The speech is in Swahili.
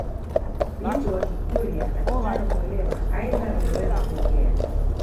Binti wa kikurya akitaka kuolewa aidha unaweza kuongea